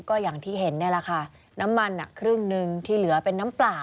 ก็อย่างที่เห็นนี่แหละค่ะน้ำมันครึ่งหนึ่งที่เหลือเป็นน้ำเปล่า